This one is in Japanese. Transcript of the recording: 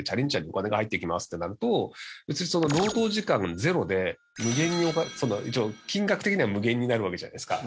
お金が入ってきますってなると別にその労働時間０で無限にお金金額的には無限になるわけじゃないですか。